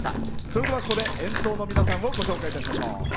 それでは、ここで演奏の皆さんをご紹介いたしましょう。